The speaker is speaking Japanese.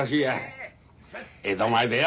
江戸前でよ